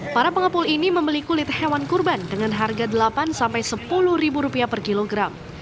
para pengepul ini membeli kulit hewan kurban dengan harga delapan sampai sepuluh rupiah per kilogram